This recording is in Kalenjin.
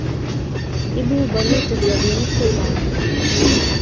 ibuu bolutik robinik chechamg